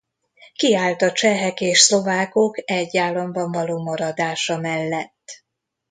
Kiállt a csehek és szlovákok egy államban való maradása mellett.